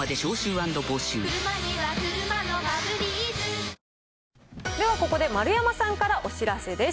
岩倉君、ではここで、丸山さんからお知らせです。